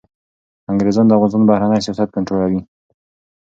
انګریزان د افغانستان بهرنی سیاست کنټرولوي.